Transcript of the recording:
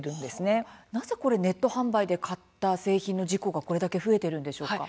なぜ、ネット販売で買った製品の事故がこれだけ増えているのでしょうか。